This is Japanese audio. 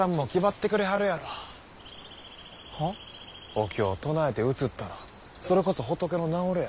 お経唱えてうつったらそれこそ仏の名折れや。